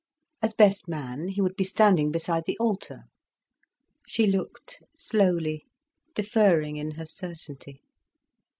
As best man, he would be standing beside the altar. She looked slowly, deferring in her certainty.